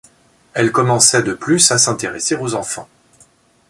Elle commençait de plus à s'intéresser aux enfants.